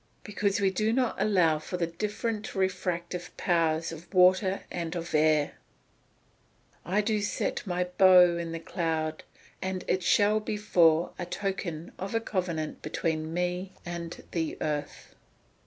_ Because we do not allow for the different refractive powers of water and of air. [Verse: "I do set my bow in the cloud, and it shall be for a token of a covenant between me and the earth."